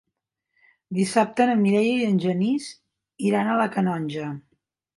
Dissabte na Mireia i en Genís iran a la Canonja.